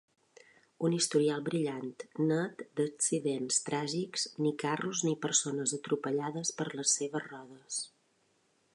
Un historial brillant, net d’accidents tràgics, ni carros ni persones atropellades per les seves rodes.